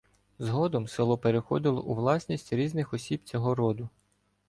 Згодом село переходило у власність різних осіб цього роду.